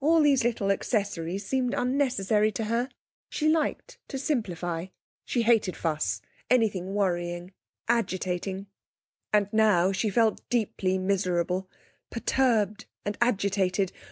All these little accessories seemed unnecessary to her. She liked to simplify. She hated fuss, anything worrying, agitating. ... And now she felt deeply miserable, perturbed and agitated.